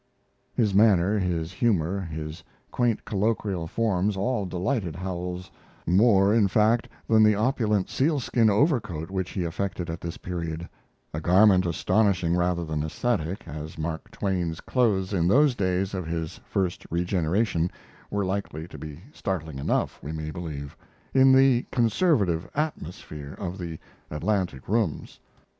] His manner, his humor, his quaint colloquial forms all delighted Howells more, in fact, than the opulent sealskin overcoat which he affected at this period a garment astonishing rather than esthetic, as Mark Twain's clothes in those days of his first regeneration were likely to be startling enough, we may believe; in the conservative atmosphere of the Atlantic rooms.